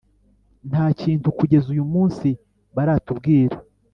Nta kintu kugeza uyu munsi baratubwira